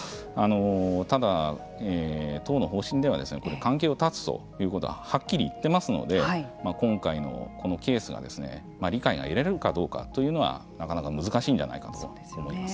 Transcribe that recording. ただ、党の方針では関係を断つということははっきり言っていますので今回のこのケースが理解が得られるかどうかというのはなかなか難しいんじゃないかと思います。